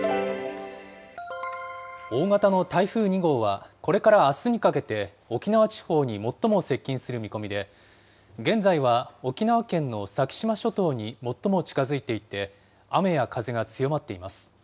大型の台風２号は、これからあすにかけて、沖縄地方に最も接近する見込みで、現在は沖縄県の先島諸島に最も近づいていて、雨や風が強まっています。